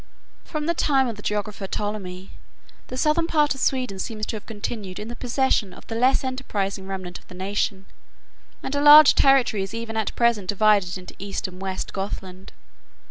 From the time of the geographer Ptolemy, the southern part of Sweden seems to have continued in the possession of the less enterprising remnant of the nation, and a large territory is even at present divided into east and west Gothland.